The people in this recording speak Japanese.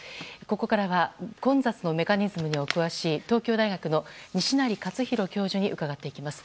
ここからは混雑のメカニズムにお詳しい東京大学の西成活裕教授に伺っていきます。